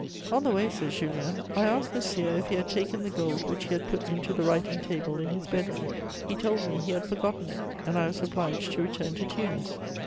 "On the way," says Julien, "I asked Monsieur if he had taken the gold which he had put into the writing table in his bed room; he told me he had forgotten it, and I was obliged to return to Tunis."